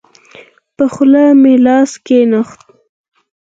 په خوله مې لاس کېښود.